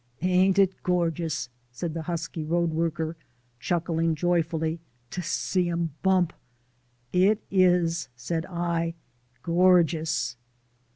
"Ain't it gorgeous," said the husky road worker, chuckling joyfully, "to see 'em bump?" "It is," said I "gorgeous."